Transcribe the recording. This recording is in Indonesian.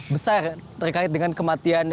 besar terkait dengan kematian